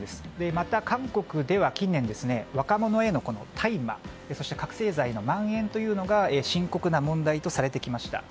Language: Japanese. また韓国では近年若者への大麻そして覚醒剤のまん延が深刻な問題とされてきました。